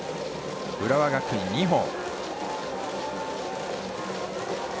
浦和学院は２本。